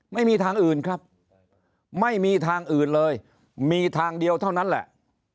ไม่มีทางอื่นครับไม่มีทางอื่นเลยมีทางเดียวเท่านั้นแหละ